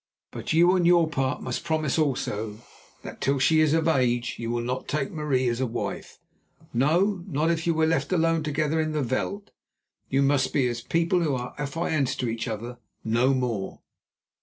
But you, on your part, must promise also that, till she is of age, you will not take Marie as a wife—no, not if you were left alone together in the veld. You must be as people who are affianced to each other, no more."